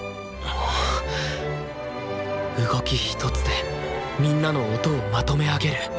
動き一つでみんなの音をまとめ上げる。